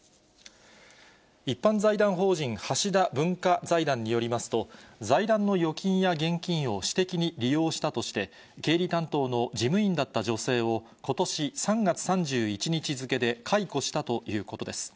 一般財団法人橋田文化財団によりますと、財団の預金や現金を私的に利用したとして、経理担当の事務員だった女性をことし３月３１日付で解雇したということです。